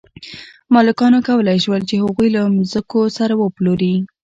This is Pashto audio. مالکانو کولی شول چې هغوی له ځمکو سره وپلوري.